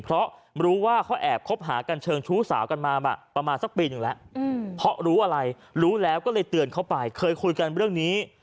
เพราะรู้ว่าเขาแอบคบหากันเชิงชู้สาวกันมาประมาณสักปีหนึ่งแล้วเพราะรู้อะไรรู้แล้วก็เลยเตือนเข้าไปเคยคุยกันเรื่องนี้